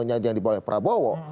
yang dibawah prabowo